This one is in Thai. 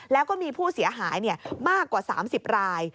แล้วก็มีผู้เสียหายมากกว่า๓๐ราย